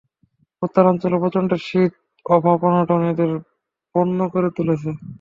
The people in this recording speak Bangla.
উত্তরাঞ্চলের প্রচণ্ড শীত, অভাব অনটন এদের বন্য করে তুলেছে।